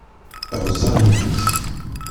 Ur Saozez.